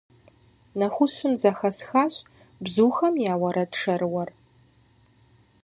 Нэхущым зэхэсхащ бзухэм я уэрэд шэрыуэр.